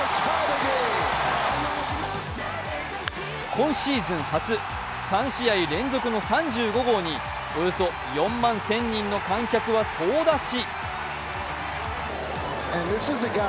今シーズン初、３試合連続の３５号におよそ４万１０００人の観客は総立ち。